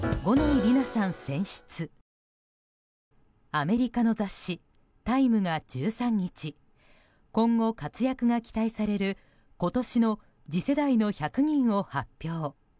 アメリカの雑誌「タイム」が１３日今後活躍が期待される今年の次世代の１００人を発表。